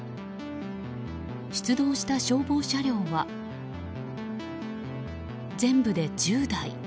出動した消防車両は全部で１０台。